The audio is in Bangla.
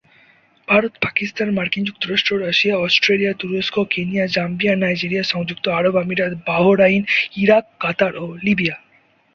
ভারত, পাকিস্তান, মার্কিন যুক্তরাষ্ট্র, রাশিয়া, অস্ট্রেলিয়া, তুরস্ক, কেনিয়া, জাম্বিয়া, নাইজেরিয়া, সংযুক্ত আরব আমিরাত, বাহরাইন, ইরাক, কাতার ও লিবিয়া।